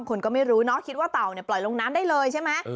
คนก็ไม่รู้เนาะคิดว่าเต่าปล่อยลงน้ำได้เลยใช่ไหม